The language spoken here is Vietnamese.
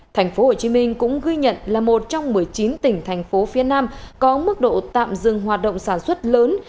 thành phố hồ chí minh cũng ghi nhận là một trong một mươi chín tỉnh thành phố phía nam có mức độ tạm dừng hoạt động sản xuất lớn